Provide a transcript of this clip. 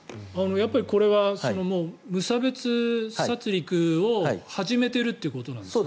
これは無差別殺りくを始めてるということなんですかね。